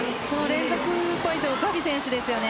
連続ポイントガビ選手ですよね。